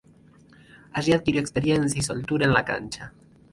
Allí adquirió experiencia y soltura en la cancha.